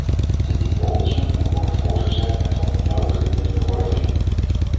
Dit type onderzoek moet worden voortgezet en van de benodigde middelen worden voorzien.